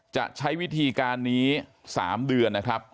จะใช้วิธีการนี้๓เดือนนะครับ